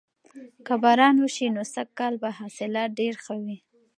که باران وشي نو سږکال به حاصلات ډیر ښه وي.